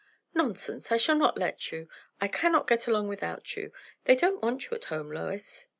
"Nonsense! I shall not let you. I cannot get along without you. They don't want you at home, Lois."